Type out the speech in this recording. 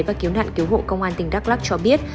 và cứu nạn cứu hộ công an tỉnh đắk lắc cho biết